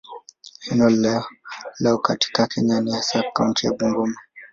Eneo lao katika Kenya ni hasa kaunti ya Bungoma.